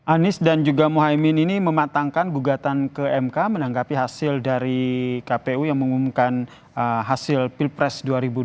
anies dan juga mohaimin ini mematangkan gugatan ke mk menanggapi hasil dari kpu yang mengumumkan hasil pilpres dua ribu dua puluh